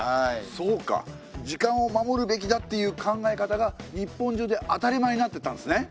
そうか「時間を守るべきだ」っていう考え方が日本中で当たり前になってったんですね。